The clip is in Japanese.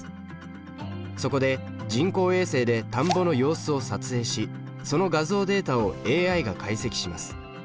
そこで人工衛星で田んぼの様子を撮影しその画像データをＡＩが解析します。